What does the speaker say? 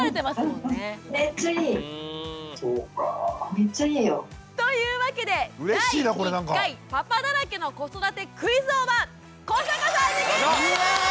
めっちゃいいよ。というわけで第１回パパだらけの子育てクイズ王は古坂さんに決定です！